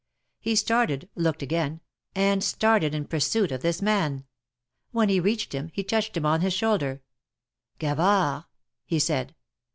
He started, looked again, and started in pursuit of this man. When he reached him, he touched him on his shoulder. Gavard !" he said.